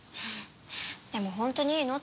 でも本当にいいの？